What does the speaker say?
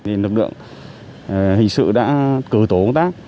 thì lực lượng hình sự đã cờ tổ tác